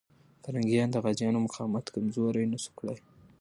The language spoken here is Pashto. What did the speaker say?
پرنګیان د غازيانو مقاومت کمزوری نسو کړای.